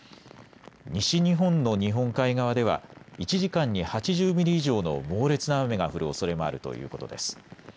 西日本の日本海側では１時間に８０ミリ以上の猛烈な雨が降るおそれもあるということです。